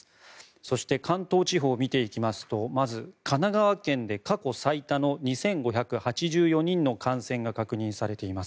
そして関東地方を見ていきますとまず、神奈川県で過去最多の２５８４人の感染が確認されています。